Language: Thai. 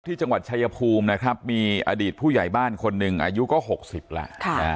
ที่จังหวัดชายภูมินะครับมีอดีตผู้ใหญ่บ้านคนหนึ่งอายุก็๖๐แล้ว